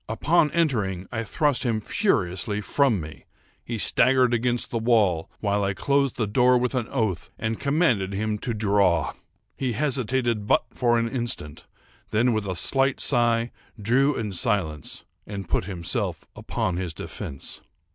Upon entering, I thrust him furiously from me. He staggered against the wall, while I closed the door with an oath, and commanded him to draw. He hesitated but for an instant; then, with a slight sigh, drew in silence, and put himself upon his defence.